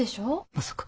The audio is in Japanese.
まさか。